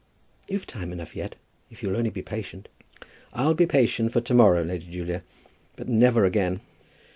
"You've time enough yet, if you'll only be patient." "I'll be patient for to morrow, Lady Julia, but never again.